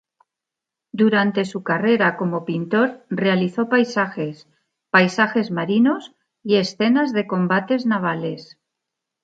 Durante su carrera como pintor realizó paisajes, paisajes marinos y escenas de combates navales.